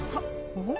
おっ！